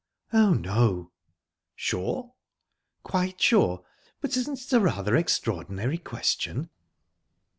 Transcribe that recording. "Oh, no." "Sure?" "Quite sure. But isn't it a rather extraordinary question?"